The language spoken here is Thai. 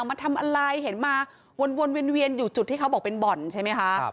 มาทำอะไรเห็นมาวนเวียนอยู่จุดที่เขาบอกเป็นบ่อนใช่ไหมคะ